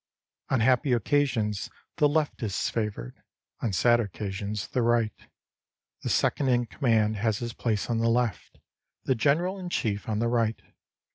On happy occasions, the left is favoured ; on sad occasions, the right. The second in command has his place on the left, the general in chief on the right.